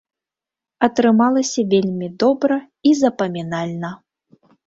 Атрымалася вельмі добра і запамінальна.